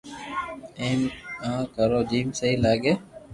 ايم ا ڪرو جيم سھي لاگي